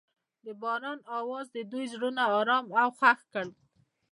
د باران اواز د دوی زړونه ارامه او خوښ کړل.